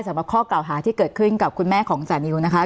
สำหรับข้อกล่าวหาที่เกิดขึ้นกับคุณแม่ของจานิวนะคะ